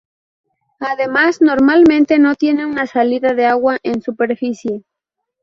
Además, normalmente no tiene una salida de agua en superficie.